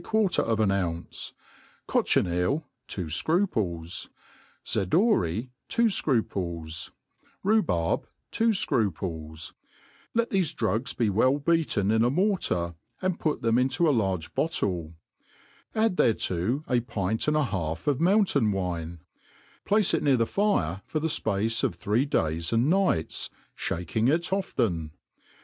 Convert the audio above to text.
quarter of ia ounce ; cochineal, two fcruples ; sedoary, two fcruples ; rhu barb, two fcmples : let thefe drugs be well beaten in a mortar, and put them into a large bottle ; add thereto a pint and a half of mountain wine ; place it near the fire for the fpace of three days RECEIPTS FOR PERFUMERY, &c. 409 days and nights, (baking it often.